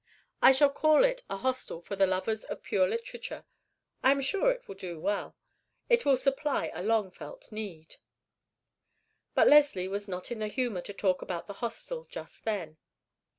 I shall call it a hostel for the lovers of pure literature. I am sure it will do well; it will supply a long felt need." But Leslie was not in the humor to talk about the hostel just then.